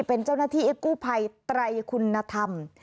เป็นเจ้านาทีกู้ไภไตรคุณธรรม